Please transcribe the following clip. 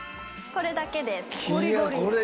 これだけです。